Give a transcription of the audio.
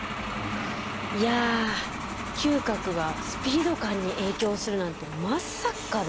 いや嗅覚がスピード感に影響するなんてまさかですね。